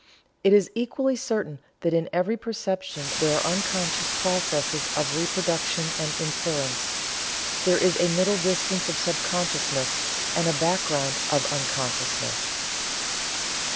It is equally certain that in every perception there are unconscious processes of reproduction and inference. There is a middle distance of sub consciousness, and a background of unconsciousness."